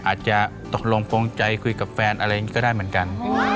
อาจจะตกลงโปรงใจคุยกับแฟนอะไรอย่างนี้ก็ได้เหมือนกัน